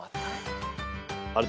あれ？